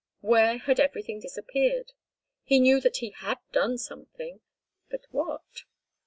Where had everything disappeared? He knew that he had done something, but what?